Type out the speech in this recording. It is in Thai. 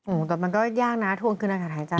อืมแต่มันก็ยากนะทวงคืนอากาศหายใจ